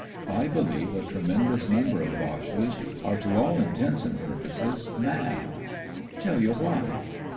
I believe a tremendous number of Boches are to all intents and purposes mad. Tell you why.